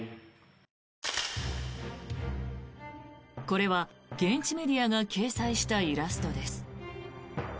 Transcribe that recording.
これは現地メディアが掲載したイラストです。